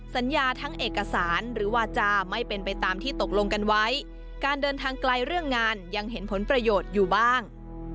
สัญญาทั้งเอกสารหรือวาจาไม่เป็นไปตามที่ตกลงกันไว้การเดินทางไกลเรื่องงานยังเห็นผลประโยชน์อยู่บ้าง